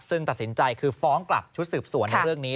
ซึ่งตัดสินใจคือฟ้องกลับชุดสืบสวนในเรื่องนี้